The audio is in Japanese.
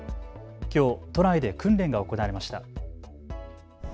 きょう都内で訓練が行われました。